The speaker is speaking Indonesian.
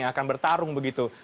yang akan bertarung begitu